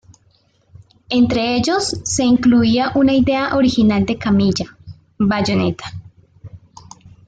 Entre ellos, se incluía una idea original de Kamiya, "Bayonetta".